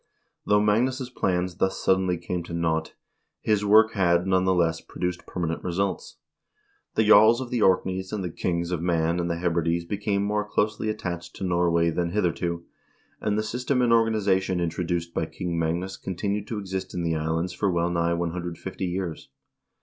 Though Magnus' plans thus suddenly came to naught, his work had, none the less, produced permanent results. The jarls of the Orkneys and the kings of Man and the Hebrides became more closely attached to Norway than hitherto, and the system and organization introduced by King Magnus continued to exist in the Islands for well nigh 150 years.